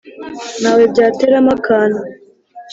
Ntawe byateramo akantu.